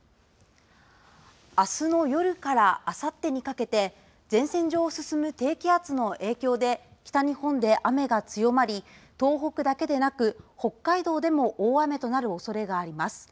あすの夜からあさってにかけて前線上を進む低気圧の影響で北日本で雨が強まり東北だけでなく北海道でも大雨となるおそれがあります。